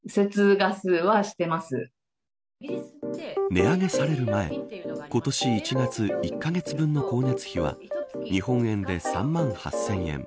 値上げされる前今年１月、１カ月分の光熱費は日本円でおよそ３万８０００円。